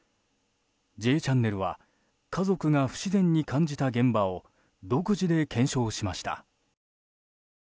「Ｊチャンネル」は家族が不自然に感じた現場を独自で検証しました。